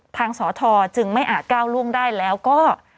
สอทอจึงไม่อาจก้าวล่วงได้แล้วก็